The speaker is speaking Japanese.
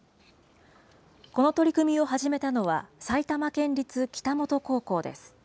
この取り組みを始めたのは、埼玉県立北本高校です。